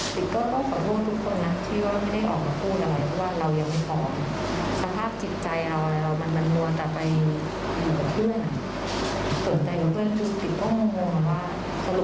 ติ๊กก็ต้องขอโทษทุกคนนะที่ว่าไม่ได้ออกกับครูหล่ะ